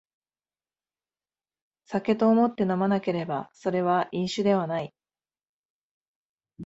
酒と思って飲まなければそれは飲酒ではない